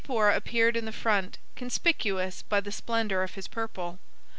Sapor appeared in the front, conspicuous by the splendor of his purple.